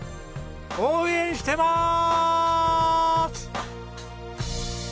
応援してまーす！